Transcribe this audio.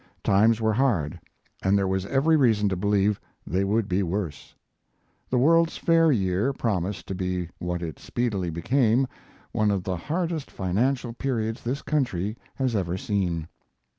Times were hard and there was every reason to believe they would be worse. The World's Fair year promised to be what it speedily became one of the hardest financial periods this country has ever seen.